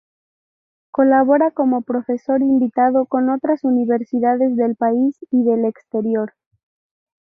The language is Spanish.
Colabora como profesor invitado con otras universidades del país y del exterior.